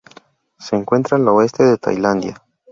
Se encuentra al oeste de Tailandia.